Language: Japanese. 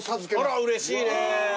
あらうれしいね。